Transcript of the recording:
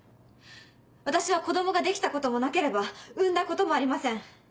・私は子供ができたこともなければ産んだこともありません。